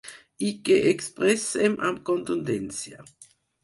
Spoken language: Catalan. I que expressem amb contundència.